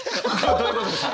どういうことですか？